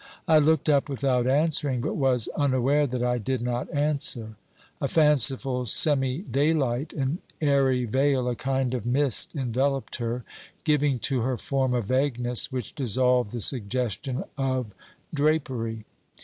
I looked up without answering, but was unaware that I did not 388 OBERMANN answer. A fanciful semi daylight, an airy veil, a kind of mist enveloped her, giving to her form a vagueness which dissolved the suggestion of drapery.